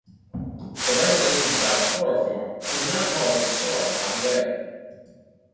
The reservations about chloroform could not halt its soaring popularity.